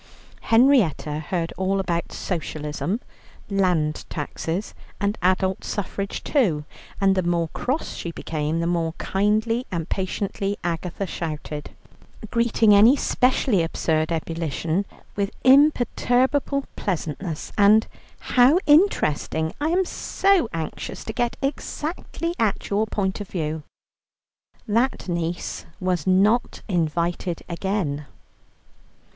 Henrietta heard all about Socialism, Land Taxes, and Adult Suffrage too, and the more cross she became the more kindly and patiently Agatha shouted, greeting any specially absurd ebullition with imperturbable pleasantness, and "how interesting, I am so anxious to get exactly at your point of view." That niece was not invited again.